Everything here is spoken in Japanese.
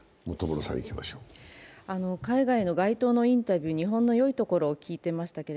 海外の街頭のインタビュー、日本のいいところを聞いていましたよね。